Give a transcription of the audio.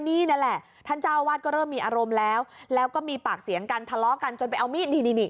นี่นั่นแหละท่านเจ้าวาดก็เริ่มมีอารมณ์แล้วแล้วก็มีปากเสียงกันทะเลาะกันจนไปเอามีดนี่นี่